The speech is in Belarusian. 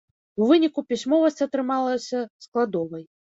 У выніку пісьмовасць атрымалася складовай.